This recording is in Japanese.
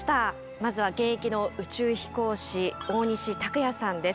まずは現役の宇宙飛行士大西卓哉さんです。